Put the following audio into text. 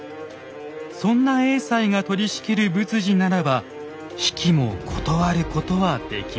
そんな栄西が取りしきる仏事ならば比企も断ることはできません。